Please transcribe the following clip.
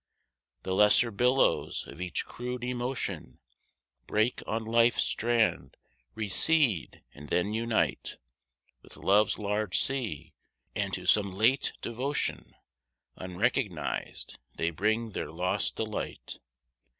The lesser billows of each crude emotion Break on life's strand, recede, and then unite With love's large sea; and to some late devotion Unrecognised, they bring their lost delight.